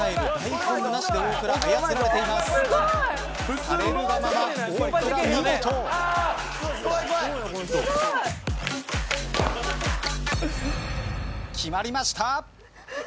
決まりました。